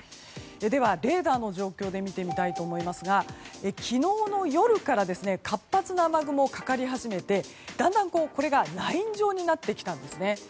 では、レーダーの状況で見てみたいと思いますが昨日の夜から活発な雨雲がかかり始めてだんだんこれがライン状になってきたんですね。